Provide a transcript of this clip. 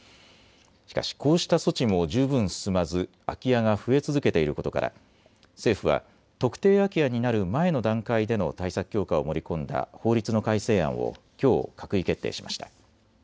しかしこうした措置も十分進まず空き家が増え続けていることから政府は特定空き家になる前の段階での対策強化を盛り込んだ法律の改正案をきょう閣議決定しました。